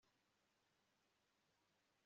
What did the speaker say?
gato amasomo ya bibiliya isomo